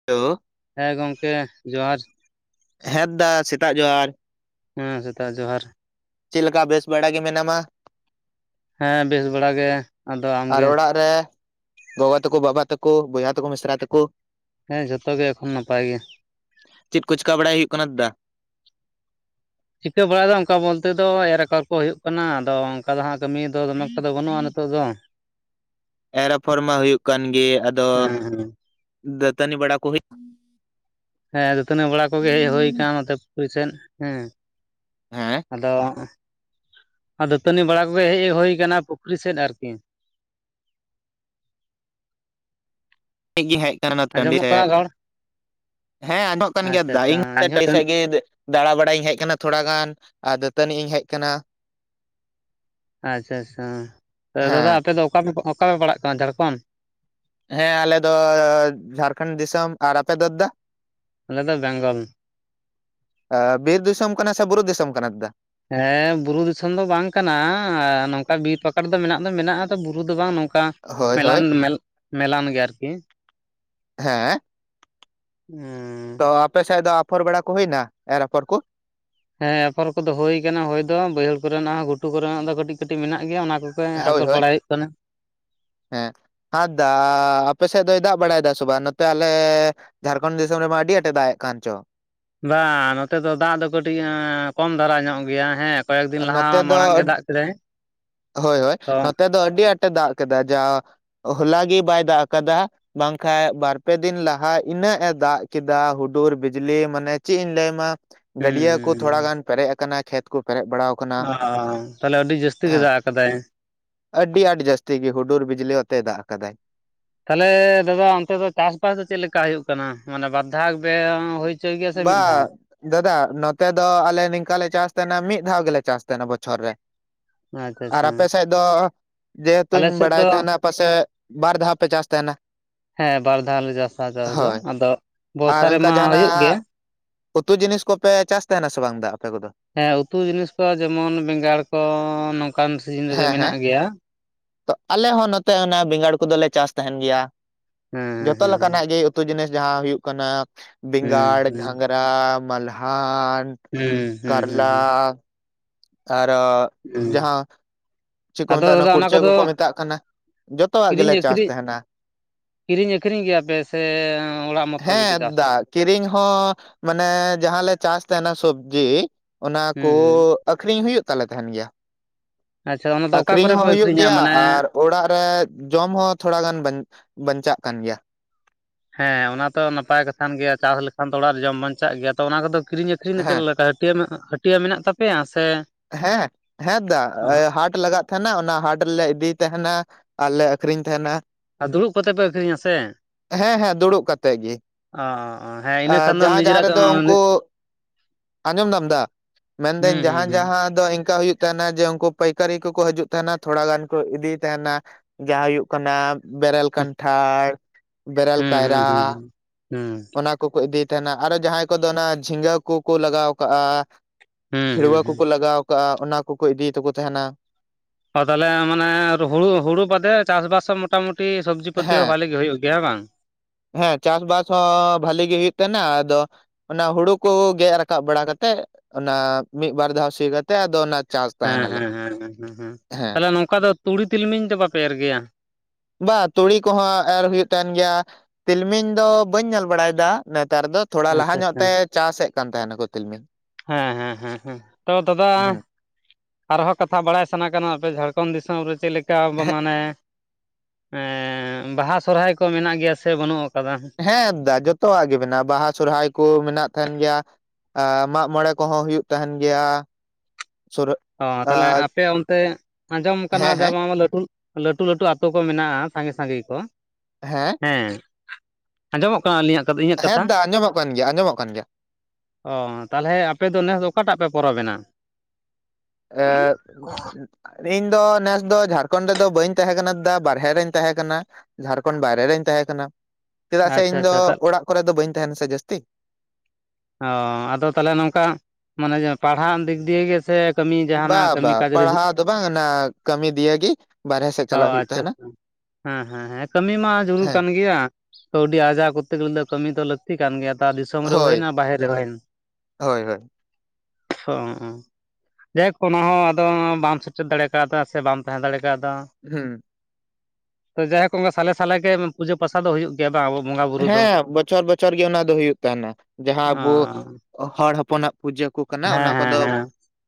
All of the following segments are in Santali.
[unintelligible] ᱦᱮᱸ ᱜᱚᱢᱠᱮ ᱡᱚᱦᱟᱨ ᱾ ᱦᱮᱸ ᱫᱟ ᱥᱮᱛᱟᱜ ᱡᱚᱦᱟᱨ ᱾ ᱦᱮᱸ ᱥᱮᱛᱟᱜ ᱡᱚᱦᱟᱨ ᱾ ᱪᱮᱫ ᱞᱮᱠᱟ ᱵᱮᱥ ᱵᱟᱲᱟ ᱜᱮ ᱢᱮᱱᱟᱢᱟ? ᱦᱮᱸ ᱵᱮᱥ ᱵᱟᱲᱟ ᱜᱮ, ᱟᱫᱚ ᱟᱢ ᱜᱮ? ᱟᱨᱮ ᱜᱚᱵᱚ ᱛᱟᱠᱚ, ᱵᱟᱵᱟ ᱛᱟᱠᱚ, ᱵᱚᱭᱦᱟ ᱛᱟᱠᱚ, ᱢᱤᱥᱨᱟ ᱛᱟᱠᱚ, ᱦᱮᱸ ᱡᱚᱛᱚ ᱜᱮ ᱮᱠᱷᱚᱱ ᱱᱟᱯᱟᱭ ᱜᱮ ᱾ ᱪᱮᱫ ᱠᱚ ᱪᱤᱠᱟ ᱵᱟᱲᱟᱭ ᱦᱩᱭᱩᱜ ᱠᱟᱱᱟ ᱫᱟ? ᱪᱤᱠᱟᱹ ᱵᱟᱲᱟᱭ ᱫᱚ ᱚᱱᱠᱟ ᱵᱚᱞᱛᱮ ᱫᱚ ᱮᱨ ᱟᱯᱷᱚᱨ ᱠᱚ ᱦᱩᱭᱩᱜ ᱠᱟᱱᱟ ᱟᱫᱚ ᱚᱱᱠᱟ ᱫᱚ ᱦᱟᱸᱜ ᱠᱟᱹᱢᱤ ᱱᱤᱛᱚᱜ ᱫᱚ ᱫᱚᱢᱮᱠᱴᱟ ᱫᱚ ᱵᱟᱹᱱᱩᱜᱼᱟ ᱱᱤᱛᱚᱜ ᱫᱚ ᱮᱨ ᱟᱯᱷᱚᱨ ᱢᱟ ᱦᱩᱭᱩᱜ ᱠᱟᱱ ᱜᱮ, ᱟᱫᱚ ᱦᱮᱸ ᱫᱟᱹᱛᱟᱹᱱᱤ ᱵᱟᱲᱟ ᱠᱚ ᱦᱩᱭ ᱦᱮᱸ ᱫᱟᱹᱛᱟᱹᱱᱤ ᱵᱟᱲᱟ ᱠᱚ ᱜᱮ ᱦᱮᱡ ᱦᱩᱭ ᱤᱧ ᱟᱠᱟᱱᱟ ᱱᱚᱛᱮ ᱯᱩᱠᱷᱨᱤ ᱥᱮᱫ ᱦᱮᱸ ᱟᱫᱚ ᱟᱨ ᱫᱟᱹᱛᱟᱹᱱᱤ ᱵᱟᱲᱟ ᱠᱚ ᱜᱮ ᱦᱮᱡ ᱦᱳᱭ ᱟᱠᱟᱱᱟ ᱯᱩᱠᱷᱨᱤ ᱥᱮᱫ ᱟᱨᱠᱤ ᱦᱮᱡ ᱜᱮ ᱦᱮᱡ ᱟᱠᱟᱱᱟ ᱴᱟᱺᱰᱤ ᱟᱸᱡᱚᱢᱚᱜ ᱨᱮ, ᱠᱟᱱᱟ ᱨᱚᱲ ᱦᱮᱸ [unintelligible] ᱠᱟᱱ ᱜᱮᱭᱟ ᱟᱪᱪᱷᱟ ᱫᱟᱫᱟ ᱟᱪᱪᱷᱟ ᱤᱧ ᱤᱧᱦᱚᱸ ᱴᱟᱹᱱ [unintelligible] ᱫᱟᱲᱟ ᱵᱟᱲᱟᱭᱤᱧ ᱦᱮᱡ ᱟᱠᱟᱱᱟ ᱛᱷᱚᱲᱟ ᱜᱟᱱ, ᱟᱨ ᱫᱟᱹᱛᱟᱹᱱᱤᱜ ᱤᱧ ᱦᱮᱡ ᱟᱠᱟᱱᱟ ᱾ ᱟᱪᱪᱷᱟ ᱟᱪᱪᱷᱟ ᱫᱟᱫᱟ ᱦᱮᱸ ᱟᱯᱮ ᱫᱚ ᱚᱠᱟ ᱚᱠᱟ ᱯᱮ ᱯᱟᱲᱟᱜ ᱠᱟᱱᱟ ᱡᱷᱟᱲᱠᱷᱚᱸᱱᱰ? ᱦᱮᱸ ᱟᱞᱮ ᱫᱚ ᱡᱷᱟᱲᱠᱷᱚᱸᱱᱰ ᱫᱤᱥᱚᱢ, ᱟᱨ ᱟᱯᱮ ᱫᱟᱫᱟ? ᱟᱞᱮ ᱫᱚ ᱵᱮᱝᱜᱚᱞ ᱾ ᱵᱤᱨ ᱫᱤᱥᱚᱢ ᱠᱟᱱᱟ ᱥᱮ ᱵᱩᱨᱩ ᱫᱤᱥᱚᱢ ᱠᱟᱱᱟ ᱫᱟᱫᱟ? ᱦᱮᱸ ᱵᱩᱨᱩ ᱫᱤᱥᱚᱢ ᱫᱚ ᱵᱟᱝ ᱠᱟᱱᱟ, ᱟᱨ ᱱᱚᱝᱠᱟ ᱵᱤᱨ ᱯᱟᱠᱟᱲ ᱫᱚ ᱢᱮᱱᱟᱜ ᱫᱚ ᱢᱮᱱᱟᱜᱼᱟ ᱛᱚ ᱵᱩᱨᱩ ᱫᱚ ᱵᱟᱝ ᱱᱚᱝ ᱠᱟ ᱦᱳᱭ ᱦᱳᱭ ᱢᱮᱞᱟᱱ ᱢᱮᱞᱟᱱ ᱜᱮ ᱟᱨᱠᱤ, ᱦᱮᱸ ᱾ ᱦᱩᱸ ᱾ ᱚ ᱟᱯᱮ ᱥᱮᱫ ᱫᱚ ᱟᱯᱷᱚᱨ ᱵᱟᱲᱟ ᱠᱚ ᱦᱩᱭᱱᱟ ᱮᱨ ᱟᱯᱷᱚᱨ ᱠᱚ? ᱦᱮᱸ ᱟᱯᱷᱚᱨ ᱠᱚᱫᱚ ᱦᱩᱭ ᱠᱟᱱᱟ ᱦᱩᱭ ᱫᱚ ᱵᱟᱹᱭᱦᱟᱹᱲ ᱠᱚᱨᱮᱱᱟᱜ ᱦᱚᱸ ᱜᱷᱩᱴᱩ ᱠᱚᱨᱮᱱᱟᱜ ᱫᱚ ᱠᱟᱹᱴᱤᱡ ᱠᱟᱹᱴᱤᱡ ᱢᱮᱱᱟᱜ ᱜᱮᱭᱟ ᱚᱱᱟ ᱠᱚ ᱯᱮ ᱦᱳᱭ ᱟᱠᱚᱨ ᱦᱳᱭ ᱵᱟᱲᱟᱭ ᱦᱩᱭᱩᱜ ᱠᱟᱱᱟ ᱾ ᱦᱮᱸ ᱟᱫ ᱫᱟ ᱟᱯᱮ ᱥᱮᱫ ᱫᱚᱭ ᱫᱟᱜ ᱵᱟᱲᱟᱭᱮᱫᱟ ᱥᱮ ᱵᱟᱝ ᱱᱚᱛᱮ ᱟᱞᱮ ᱡᱷᱟᱲᱠᱷᱚᱸᱱᱰ ᱫᱤᱥᱚᱢ ᱨᱮᱢᱟ ᱟᱹᱰᱤ ᱟᱸᱴᱮ ᱫᱟᱜᱮᱜ ᱠᱟᱱ ᱪᱚ ᱵᱟᱝ ᱱᱚᱛᱮ ᱫᱚ ᱫᱟᱜ ᱫᱚ ᱠᱟᱹᱴᱤᱡ ᱠᱚᱢ ᱫᱷᱟᱨᱟ ᱧᱚᱜ ᱜᱮᱭᱟ ᱦᱮᱸ ᱠᱚᱭᱮᱠ ᱫᱤᱱ ᱞᱟᱦᱟ ᱱᱚᱛᱮ ᱫᱚ ᱢᱟᱲᱟᱝ ᱜᱮ ᱫᱟᱜ ᱠᱮᱫᱟᱭ ᱾ ᱦᱳᱭ ᱱᱚᱛᱮ ᱫᱚ ᱟᱹᱰᱤ ᱟᱸᱴᱮ ᱫᱟᱜ ᱠᱮᱫᱟ ᱡᱟ ᱦᱚᱞᱟᱜ ᱜᱮ ᱵᱟᱭ ᱫᱟᱜ ᱟᱠᱟᱫᱟ ᱾ ᱵᱟᱝᱠᱷᱟᱱ ᱵᱟᱨᱯᱮ ᱫᱤᱱ ᱞᱟᱦᱟ ᱤᱱᱟᱹᱜ ᱮ ᱫᱟᱜ ᱠᱮᱫᱟ ᱦᱩᱰᱩᱨ ᱵᱤᱡᱽᱞᱤ ᱢᱟᱱᱮ ᱪᱮᱫ ᱤᱧ ᱞᱟᱹᱭᱢᱟ ᱾ ᱦᱩᱸ ᱜᱟᱹᱰᱭᱟᱹ ᱠᱚ ᱦᱩᱸ ᱛᱷᱚᱲᱟ ᱜᱟᱱ ᱯᱮᱨᱮᱡ ᱟᱠᱟᱱᱟ ᱠᱷᱮᱛ ᱠᱚ ᱯᱮᱨᱮᱡ ᱵᱟᱲᱟᱣ ᱟᱠᱟᱱᱟ ᱚ ᱛᱟᱦᱚᱞᱮ ᱟᱹᱰᱤ ᱡᱟᱹᱥᱛᱤ ᱜᱮ ᱦᱮᱸ ᱫᱟᱜ ᱟᱠᱟᱫᱟᱭ? ᱟᱹᱰᱤ ᱟᱸᱴ ᱡᱟᱹᱥᱛᱤ ᱜᱮ ᱦᱩᱰᱩᱨ ᱵᱤᱡᱽᱞᱤ ᱟᱛᱮ ᱫᱟᱜ ᱟᱠᱟᱫᱟᱭ ᱾ ᱛᱟᱦᱚᱞᱮ ᱫᱟᱫᱟ ᱚᱱᱛᱮ ᱫᱚ ᱪᱟᱥᱵᱟᱥ ᱫᱚ ᱪᱮᱫ ᱞᱮᱠᱟ ᱦᱩᱭᱩᱜ ᱠᱟᱱᱟ ᱢᱟᱱᱮ ᱵᱟᱨᱫᱷᱟᱣ ᱯᱮ ᱦᱩᱭ ᱦᱚᱪᱚᱭ ᱜᱮᱭᱟ ᱥᱮ ᱢᱤᱫ ᱫᱷᱟᱣ ᱵᱟ ᱫᱟᱫᱟ ᱱᱚᱛᱮ ᱫᱚ ᱟᱞᱮ ᱱᱤᱝᱠᱟᱞᱮ ᱪᱟᱥ ᱛᱟᱦᱮᱸᱱᱟ ᱢᱤᱫ ᱫᱷᱟᱣ ᱜᱮᱞᱮ ᱪᱟᱥ ᱛᱟᱦᱮᱸᱱᱟ ᱵᱚᱪᱷᱚᱨ ᱨᱮ, ᱟᱪᱪᱷᱟ ᱟᱨ ᱟᱪᱪᱷᱟ ᱟᱯᱮ ᱥᱮᱫ ᱫᱚ ᱟᱞᱮ ᱡᱮᱦᱮᱛᱩᱧ ᱥᱮᱫ ᱵᱟᱲᱟᱭ ᱫᱚ ᱛᱟᱦᱮᱱᱟ ᱯᱟᱥᱮ ᱵᱟᱨ ᱫᱷᱟᱣ ᱯᱮ ᱪᱟᱥ ᱛᱟᱦᱮᱱᱟ? ᱦᱮᱸ ᱵᱟᱨ ᱫᱷᱟᱣ ᱞᱮ ᱪᱟᱥᱟ ᱪᱟᱥ ᱫᱚ ᱦᱳᱭ ᱟᱫᱚ ᱟᱨ ᱵᱚᱨᱥᱟ ᱚᱱᱠᱟ ᱨᱮᱢᱟ ᱦᱩᱭᱩᱜ ᱜᱮᱜ ᱡᱟᱦᱟᱱᱟᱜ ᱩᱛᱩ ᱡᱤᱱᱤᱥ ᱠᱚ ᱯᱮ ᱪᱟᱥ ᱛᱟᱦᱮᱸᱱᱟ ᱥᱮ ᱵᱟᱝ ᱫᱟ ᱟᱯᱮ ᱠᱚ ᱫᱚ ᱦᱮᱸ ᱩᱛᱩ ᱡᱤᱱᱤᱥ ᱠᱚ ᱡᱮᱢᱚᱱ ᱵᱮᱸᱜᱟᱲ ᱠᱚ ᱱᱚᱝᱠᱟᱱ ᱥᱤᱡᱤᱱ ᱨᱮ ᱦᱮᱸ ᱦᱮᱸ ᱢᱮᱱᱟᱜ ᱜᱮᱭᱟ ᱛᱚ ᱟᱞᱮ ᱦᱚᱸ ᱱᱚᱛᱮ ᱵᱮᱸᱜᱟᱲ ᱠᱚᱫᱚᱞᱮ ᱪᱟᱥ ᱛᱟᱦᱮᱱ ᱜᱮᱭᱟ ᱦᱮᱸ ᱦᱮᱸ ᱡᱚᱛᱚ ᱦᱮᱸ ᱞᱮᱠᱟᱱᱟᱜ ᱜᱮ ᱩᱛᱩ ᱡᱤᱱᱤᱥ ᱡᱟᱦᱟᱸ ᱦᱩᱭᱩᱜ ᱠᱟᱱᱟ ᱦᱩᱸ ᱵᱮᱸᱜᱟᱲ ᱡᱟᱦᱟᱸ ᱦᱩᱸ ᱜᱷᱟᱧᱨᱟ [unintelligible] ᱢᱟᱞᱦᱟᱱ ᱦᱩᱸ ᱦᱩᱸ ᱦᱩᱸ ᱦᱩᱸ ᱟᱨ ᱨᱚ ᱦᱩᱸ ᱡᱟᱦᱟᱸ ᱪᱮᱫ ᱠᱚ ᱟᱫᱚ ᱢᱮᱛᱟᱜ ᱠᱟᱱᱟ ᱫᱟᱫᱟ ᱚᱱᱟ ᱠᱩᱲᱪᱟᱹ ᱠᱚᱫᱚ ᱠᱚᱠᱚ ᱢᱮᱛᱟᱜ ᱠᱟᱱᱟ ᱡᱚᱛᱚᱣᱟᱜ ᱜᱮᱞᱮ ᱠᱤᱨᱤᱧ ᱪᱟᱥ ᱟᱹᱠᱷᱨᱤᱧ ᱛᱟᱦᱮᱱᱟ ᱠᱤᱨᱤᱧ ᱟᱠᱷᱨᱤᱧ ᱜᱮᱭᱟᱯᱮ ᱥᱮ ᱚᱲᱟᱜ ᱢᱚᱛᱚ ᱜᱮᱯᱮ ᱦᱮᱸ ᱪᱟᱥᱟ ᱫᱟ ᱠᱤᱨᱤᱧ ᱦᱚᱸ ᱢᱟᱱᱮ ᱡᱟᱦᱟᱸ ᱞᱮ ᱪᱟᱥ ᱛᱟᱦᱮᱱᱟ ᱥᱚᱵᱡᱤ ᱚᱱᱟ ᱠᱚ ᱦᱩᱸ ᱦᱩᱸ ᱟᱠᱷᱨᱤᱧ ᱦᱩᱭᱩᱜ ᱛᱟᱞᱮ ᱛᱟᱦᱮᱱ ᱜᱮᱭᱟ ᱟᱪᱪᱷᱟ ᱚᱱᱟ ᱫᱚ ᱚᱠᱟ ᱟᱠᱷᱨᱤᱧ ᱠᱚᱨᱮ ᱯᱮ ᱦᱚᱸ ᱦᱩᱭᱩᱜ ᱟᱹᱠᱷᱨᱤᱧᱟ ᱜᱮᱭᱟ ᱢᱟᱱᱮ ᱟᱨ ᱚᱲᱟᱜ ᱨᱮ ᱡᱚᱢ ᱦᱚᱸ ᱛᱷᱚᱲᱟ ᱜᱟᱱ ᱵᱟᱧᱪᱟᱜ ᱠᱟᱱ ᱜᱮᱭᱟ ᱦᱮᱸ ᱚᱱᱟᱛᱚ ᱱᱟᱯᱟᱭ ᱠᱟᱛᱷᱟ ᱠᱟᱱ ᱜᱮᱭᱟ ᱪᱟᱥ ᱞᱮᱠᱷᱟᱱ ᱛᱚ ᱚᱲᱟᱜ ᱨᱮ ᱡᱚᱢ ᱵᱟᱧᱪᱟᱜ ᱜᱮᱭᱟ ᱛᱚ ᱚᱱᱟ ᱠᱚᱫᱚ ᱠᱤᱨᱤᱧ ᱟᱹᱠᱷᱨᱤᱧ ᱫᱚ ᱪᱮᱫ ᱦᱮᱸ ᱞᱮᱠᱟ ᱦᱟᱹᱴᱤᱭᱟᱹᱟᱹ ᱦᱟᱹᱴᱤᱭᱟᱹᱟᱹ ᱢᱮᱱᱟᱜ ᱛᱟᱯᱮᱭᱟ ᱥᱮ ᱦᱮᱸ ᱦᱮᱸ ᱫᱟ ᱦᱟᱴ ᱞᱟᱜᱟᱜ ᱛᱷᱟᱦᱮᱱᱟ ᱚᱱᱟ ᱦᱟᱴ ᱨᱮᱞᱮ ᱤᱫᱤᱭ ᱛᱟᱦᱮᱱᱟ ᱟᱨᱞᱮ ᱟᱹᱠᱷᱨᱤᱧ ᱛᱟᱦᱮᱱᱟ ᱟᱨ ᱫᱩᱲᱩᱵ ᱠᱟᱛᱮ ᱯᱮ ᱟᱹᱠᱷᱨᱤᱧᱟ ᱥᱮ ᱦᱮᱸ ᱦᱮᱸ ᱫᱩᱲᱩᱵ ᱠᱟᱛᱮ ᱜᱮ ᱚ ᱦᱮᱸ ᱤᱱᱟᱹ ᱟᱨ ᱠᱷᱟᱱ ᱫᱚ ᱡᱟᱦᱟᱸ ᱡᱟᱦᱟᱸ ᱱᱤᱡᱮᱨᱟᱜ ᱨᱮᱫᱚ ᱦᱩᱸ ᱩᱱᱠᱩ ᱟᱸᱡᱚᱢ ᱫᱟᱢ ᱫᱟ ᱢᱮᱱᱫᱟᱹᱧ ᱦᱩᱸ ᱦᱩᱸ ᱡᱟᱦᱟᱸ ᱡᱟᱦᱟᱸ ᱫᱚ ᱤᱱᱠᱟ ᱦᱩᱭᱩᱜ ᱛᱟᱦᱮᱱᱟ ᱡᱮ ᱩᱱᱠᱩ ᱯᱟᱹᱭᱠᱟᱹᱨᱤ ᱠᱚᱠᱚ ᱦᱤᱡᱩᱜ ᱛᱟᱦᱮᱱᱟ ᱛᱷᱚᱲᱟ ᱜᱟᱱ ᱠᱚ ᱤᱫᱤᱭᱮ ᱛᱟᱦᱮᱱᱟ ᱡᱟᱦᱟᱸ ᱦᱩᱭᱩᱜ ᱠᱟᱱᱟ ᱵᱮᱨᱮᱞ ᱠᱟᱱᱴᱷᱟᱲ ᱵᱮᱨᱮᱞ ᱦᱩᱸ ᱦᱩᱸ ᱠᱟᱭᱨᱟ ᱦᱩᱸ ᱦᱩᱸ ᱚᱱᱟ ᱠᱚᱠᱚ ᱤᱫᱤᱭ ᱛᱟᱦᱮᱱᱟ ᱟᱨᱚ ᱡᱟᱦᱟᱸᱭ ᱠᱚᱫᱚ ᱚᱱᱟ ᱡᱷᱤᱸᱜᱟᱹ ᱠᱚᱠᱚ ᱞᱟᱜᱟᱣ ᱠᱟᱜᱼᱟ ᱦᱩᱸ ᱦᱩᱸ ᱠᱷᱲᱣᱟᱹ ᱦᱩᱸ ᱠᱚᱠᱚ ᱞᱟᱜᱟᱣ ᱠᱟᱜᱼᱟ ᱚᱱᱟ ᱠᱚᱠᱚ ᱤᱫᱤᱭ ᱛᱟᱠᱚ ᱛᱟᱦᱮᱱᱟ ᱦ ᱛᱟᱦᱚᱞᱮ ᱢᱟᱱᱮ ᱦᱩᱲᱩ ᱦᱩᱲᱩ ᱵᱟᱫᱮ ᱪᱟᱥ ᱵᱟᱥ ᱢᱮ ᱢᱚᱴᱟᱢᱩᱴᱤ ᱥᱚᱵᱡᱤ ᱯᱟᱹᱛᱤ ᱦᱚᱸ ᱦᱮᱸ ᱵᱷᱷᱟᱮ ᱜᱮ ᱦᱩᱭᱩᱜ ᱜᱮᱭᱟ ᱵᱟᱝ ᱦᱮᱸ ᱪᱟᱥᱵᱟᱥ ᱦᱚᱸ ᱵᱷᱟᱞᱤ ᱜᱮ ᱦᱩᱭᱩᱜ ᱛᱟᱦᱮ ᱟᱫᱚ ᱚᱱᱟ ᱦᱩᱲᱩ ᱠᱚ ᱜᱮᱫ ᱨᱟᱠᱟᱵ ᱵᱟᱲᱟ ᱠᱟᱛᱮᱜ ᱚᱱᱟ ᱢᱤᱫ ᱵᱟᱨ ᱫᱷᱟᱣ ᱥᱤ ᱠᱟᱛᱮᱜ ᱛᱮ ᱟᱫ ᱚᱱᱟ ᱪᱟᱥ ᱦᱮᱸ ᱛᱟᱦᱮᱱᱟᱞᱮ ᱦᱮᱸ ᱦᱮᱸ ᱦᱮᱸ ᱛᱟᱦᱚᱞᱮ ᱱᱚᱝᱠᱟ ᱫᱚ ᱛᱩᱲᱤ ᱛᱤᱞᱢᱤᱧ ᱫᱚ ᱵᱟᱯᱮ ᱮᱨ ᱜᱮᱭᱟ ᱵᱟ ᱛᱩᱲᱤ ᱠᱚᱦᱚᱸ ᱟᱨ ᱦᱩᱭᱩᱜ ᱠᱟᱱ ᱜᱮᱭᱟ ᱛᱤᱞᱢᱤᱧ ᱫᱚ ᱵᱟᱹᱧ ᱧᱮᱞ ᱵᱟᱲᱟᱭᱮᱫᱟ ᱱᱮᱛᱟᱨ ᱫᱚ ᱛᱷᱚᱲᱟ ᱞᱟᱦᱟ ᱟᱪᱪᱷᱟ ᱧᱚᱜ ᱟᱪᱪᱷᱟ ᱛᱮ ᱪᱟᱥᱮᱫ ᱠᱟᱱ ᱛᱟᱦᱮᱱᱟᱠᱚ ᱛᱤᱞᱢᱤᱧ ᱦᱮᱸ ᱦᱮᱸ ᱦᱮᱸ ᱛᱚ ᱫᱟᱫᱟ ᱦᱩᱸ ᱟᱨᱦᱚᱸ ᱠᱟᱛᱷᱟ ᱵᱟᱲᱟᱭ ᱥᱟᱱᱟ ᱠᱟᱱᱟ ᱟᱯᱮ ᱡᱷᱟᱲᱠᱷᱚᱸᱰ [unintelligible] ᱫᱤᱥᱚᱢ ᱨᱮ ᱪᱮᱫ ᱞᱮᱠᱟ ᱵᱚ ᱢᱟᱱᱟᱮᱭᱟ ᱮᱻᱵᱟᱦᱟ ᱥᱚᱨᱦᱟᱭ ᱠᱚ ᱢᱮᱱᱟᱜ ᱜᱮᱭᱟ ᱥᱮ ᱵᱟᱹᱱᱩᱜ ᱟᱠᱟᱫᱟ ᱦᱮᱸ ᱟᱫᱟ ᱡᱚᱛᱚᱣᱟᱜ ᱜᱮ ᱢᱮᱱᱟᱜᱼᱟ ᱵᱟᱦᱟ ᱥᱦᱟᱭ ᱠᱚ ᱢᱮᱱᱟᱜ ᱛᱟᱦᱮᱱ ᱜᱮᱭᱟ ᱮᱻ ᱢᱟᱜ ᱢᱚᱬᱮ ᱠᱚᱦᱚᱸ ᱦᱩᱭᱩᱜ ᱛᱟᱦᱮᱱ ᱜᱮᱭᱟ ᱚ ᱛᱟᱦᱚᱞᱮ ᱟᱨ ᱟᱯᱮ ᱚᱱᱛᱮ ᱟᱸᱡᱚᱢ ᱠᱟᱱᱟ ᱦᱮᱸ ᱡᱮ ᱦᱮᱸ ᱵᱟᱝ ᱞᱟᱹᱴᱩ ᱞᱟᱹᱴᱩ ᱞᱟᱹᱴᱩ ᱟᱹᱛᱩᱳ ᱠᱚ ᱢᱮᱱᱟᱜᱼᱟ ᱥᱟᱸᱜᱮ ᱥᱟᱺᱜᱤᱧ ᱠᱚ ᱦᱮᱸ ᱦᱮᱸ ᱟᱸᱡᱚᱢᱚᱜ ᱠᱟᱱᱟ ᱟᱹᱞᱤᱧᱟᱜ ᱤᱧᱟᱹᱜ ᱦᱮᱸ ᱠᱟᱛᱷᱟ ᱫᱟ ᱟᱸᱡᱚᱢᱚᱜ ᱠᱟᱱ ᱜᱮᱭᱟ ᱟᱸᱡᱚᱢᱚᱜ ᱠᱟᱱ ᱜᱮᱭᱟ ᱚᱻ ᱛᱟᱦᱚᱞᱮ ᱟᱯᱮᱫᱚ ᱱᱮᱥ ᱫᱚ ᱚᱠᱟᱴᱟᱜ ᱯᱮ ᱯᱚᱨᱚᱵᱽᱮᱱᱟ ᱮ ᱤᱧ ᱫᱚ ᱱᱮᱥ ᱫᱚ ᱡᱷᱟᱲᱠᱷᱚᱸᱰ ᱨᱮᱫᱚ ᱵᱟᱹᱧ ᱛᱟᱦᱮᱸ ᱠᱟᱱᱟ ᱫᱟ ᱵᱟᱨᱦᱮ ᱨᱤᱧ ᱛᱟᱦᱮᱸ ᱠᱟᱱᱟ ᱡᱷᱟᱲᱠᱷᱚᱸᱰ ᱵᱟᱭᱨᱮ ᱨᱤᱧ ᱛᱟᱦᱮᱸ ᱠᱟᱱᱟ ᱪᱮᱫᱟᱜ ᱥᱮ ᱟᱪᱪᱷᱟ ᱤᱧ ᱫᱚ ᱟᱪᱪᱷᱟ ᱛᱟ ᱚᱲᱟᱜ ᱠᱚᱨᱮ ᱫᱚ ᱵᱟᱹᱧ ᱛᱟᱦᱮᱱᱟ ᱥᱮ ᱡᱟᱹᱥᱛᱤ ᱚ ᱟᱫᱚ ᱛᱟᱦᱚᱞᱮ ᱱᱚᱝᱠᱟ ᱢᱟᱱᱮ ᱡᱮ ᱯᱟᱲᱦᱟᱜ ᱫᱤᱠ ᱫᱤᱭᱮ ᱜᱮ ᱥᱮ ᱵᱟ ᱵᱟ ᱯᱟᱲᱦᱟᱣ ᱫᱚ ᱵᱟᱝ ᱚᱱᱟ ᱠᱟᱹᱢᱤ ᱫᱤᱭᱮ ᱜᱤ ᱵᱟᱨᱦᱮ ᱥᱮᱫ ᱚ ᱪᱟᱞᱟᱜ ᱦᱩᱭᱩᱜ ᱟᱪᱪᱷᱟ ᱛᱟᱦᱮᱱᱟ ᱟᱪᱪᱷᱟ ᱦᱮᱸ ᱦᱮᱸ ᱦᱮᱸ ᱠᱟᱹᱢᱤ ᱢᱟ ᱡᱩᱨᱩᱲ ᱦᱮᱸ ᱠᱟᱱ ᱜᱮᱭᱟ᱾ ᱠᱟᱹᱣᱰᱤ ᱟᱡᱟᱣ ᱠᱚᱨᱛᱮ ᱜᱞ ᱫᱚ ᱠᱟᱹᱢᱤ ᱫᱚ ᱞᱟᱹᱠᱛᱤ ᱠᱟᱱ ᱜᱮᱭᱟ ᱛᱟ ᱫᱤᱥᱚᱢ ᱨᱮ ᱦᱳᱭ ᱦᱩᱭᱱᱟ ᱦᱳᱭ ᱦᱳᱭ ᱚ ᱡᱟᱭᱦᱚᱠ ᱚᱱᱟ ᱦᱚᱸ ᱟᱫᱚ ᱵᱟᱢ ᱥᱮᱴᱮᱨ ᱫᱟᱲᱮ ᱠᱟᱣᱫᱟ ᱥᱮ ᱵᱟᱢ ᱛᱟᱦᱮᱸ ᱫᱟᱲᱮ ᱠᱟᱣᱫᱟ ᱦᱮᱸ ᱛᱚ ᱡᱟᱭᱡᱩᱜᱽ ᱠᱚ ᱥᱟᱞᱮ ᱥᱟᱞᱮ ᱜᱮ ᱯᱩᱡᱟᱹ ᱯᱟᱥᱟ ᱫᱚ ᱦᱩᱭᱩᱜ ᱜᱮᱭᱟ ᱵᱟᱝ ᱟᱵᱚ ᱵᱚᱸᱜᱟ ᱵᱩᱨᱩ ᱫᱚ ᱦᱮᱸ ᱵᱚᱪᱷᱚᱨ ᱵᱚᱪᱷᱚᱨ ᱜᱮ ᱚᱱᱟ ᱫᱚ ᱦᱩᱭᱩᱜ ᱛᱟᱦᱮᱱᱟ ᱡᱟᱦᱟᱸ ᱟᱵᱚ ᱚ ᱦᱚᱲ ᱦᱚᱯᱚᱱᱟᱜ ᱯᱩᱡᱟᱹ ᱠᱚ ᱠᱟᱱᱟ ᱚᱱᱟ ᱦᱮᱸ ᱦᱮᱸ ᱠᱚᱫᱚ ᱦᱮᱸ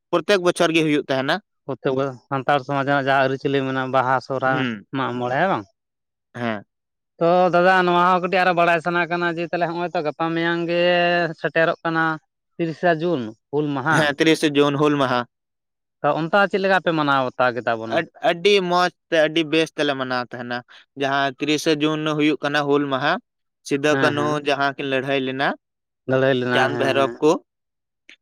ᱯᱚᱨᱛᱮᱠ ᱵᱚᱪᱷᱚᱨ ᱜᱮ ᱦᱩᱭᱩᱜ ᱛᱟᱦᱮᱱᱟ ᱛᱚᱵᱮ ᱥᱟᱱᱛᱟᱲ ᱥᱚᱢᱟᱡᱽ ᱨᱮᱱᱟᱜ ᱟᱹᱨᱤᱪᱟᱹᱞᱤ ᱢᱮᱱᱟᱜᱼᱟ ᱵᱟᱦᱟ ᱥᱚᱨᱦᱟᱭ ᱦᱩᱸ ᱢᱟᱜ ᱢᱚᱬᱮ ᱦᱮᱸ ᱵᱟᱝ ᱦᱮᱸ ᱛᱚ ᱫᱟᱫᱟ ᱱᱚᱣᱟ ᱦᱚᱸ ᱠᱟᱹᱴᱤᱡ ᱟᱨᱚ ᱵᱟᱲᱟᱭ ᱥᱟᱱᱟ ᱠᱟᱱᱟ ᱡᱮ ᱱᱚᱜᱼᱚᱭ ᱛᱚ ᱜᱟᱯᱟ ᱢᱮᱭᱟᱝ ᱜᱮ ᱥᱮᱴᱮᱨᱚᱜ ᱠᱟᱱᱟ ᱛᱤᱨᱤᱥᱟ ᱡᱩᱱ ᱦᱩᱞ ᱢᱟᱦᱟ ᱦᱮᱸ ᱛᱤᱨᱤᱥᱮ ᱡᱩᱱ ᱦᱩᱞ ᱢᱟᱦᱟ ᱛᱚ ᱚᱱᱠᱟ ᱪᱮᱫ ᱞᱮᱠᱟ ᱯᱮ ᱢᱟᱱᱟᱣ ᱵᱟᱛᱟᱣ ᱠᱮᱫᱟ ᱵᱚᱱᱟ ᱟᱹᱰᱤ ᱢᱚᱸᱡᱽ ᱛᱮ ᱟᱹᱰᱤ ᱵᱮᱥ ᱛᱮᱞᱮ ᱢᱟᱱᱟᱣ ᱛᱟᱦᱮᱱᱟ᱾ ᱡᱟᱦᱟᱸ ᱛᱤᱨᱤᱥᱮ ᱡᱩᱱ ᱦᱳᱭᱚᱜ ᱠᱟᱱᱟ ᱦᱩᱞ ᱢᱟᱦᱟ ᱥᱤᱫᱩ ᱦᱮᱸ ᱠᱟᱹᱱᱦᱩ ᱦᱮᱸ ᱡᱟᱦᱟᱸ ᱠᱤᱱ ᱞᱟᱹᱲᱦᱟᱹᱭ ᱞᱮᱱᱟ, ᱞᱟᱹᱲᱦᱟᱹᱭ ᱞᱮᱱᱟ ᱪᱟᱸᱫ ᱦᱮᱸ ᱵᱷᱟᱭᱨᱚᱵ ᱦᱮᱸ ᱠᱚ